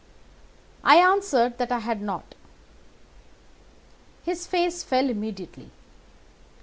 "I answered that I had not. "His face fell immediately.